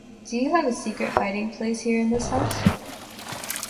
Do you have a secret hiding place here in this house?